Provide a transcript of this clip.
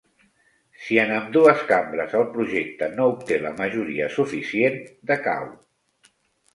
Si en ambdues cambres el projecte no obté la majoria suficient, decau.